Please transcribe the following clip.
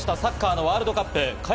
サッカーのワールドカップ。